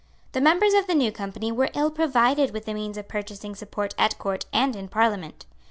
The members of the New Company were ill provided with the means of purchasing support at Court and in Parliament.